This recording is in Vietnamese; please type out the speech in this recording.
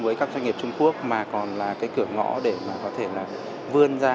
với các doanh nghiệp trung quốc mà còn là cái cửa ngõ để mà có thể là vươn ra